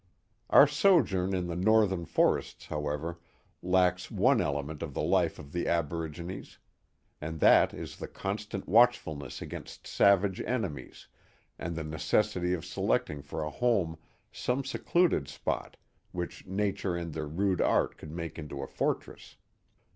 Our sojourn in the northern forests, however, lacks one element of the life of the Aborigines; and that is the constant watchfulness against savage enemies and the necessity of selecting for a home some secluded spot which nature and their rude art could make into a fortress.